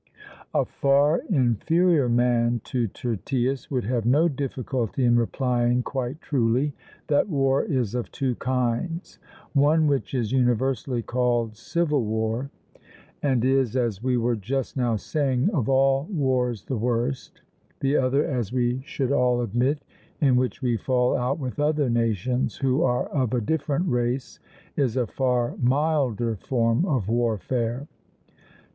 A far inferior man to Tyrtaeus would have no difficulty in replying quite truly, that war is of two kinds, one which is universally called civil war, and is, as we were just now saying, of all wars the worst; the other, as we should all admit, in which we fall out with other nations who are of a different race, is a far milder form of warfare.